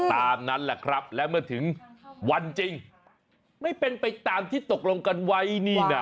ตามนั้นแหละครับและเมื่อถึงวันจริงไม่เป็นไปตามที่ตกลงกันไว้นี่นะ